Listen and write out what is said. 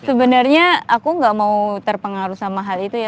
sebenarnya aku gak mau terpengaruh sama hal itu ya